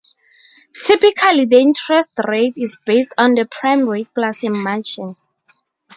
Typically, the interest rate is based on the prime rate plus a margin.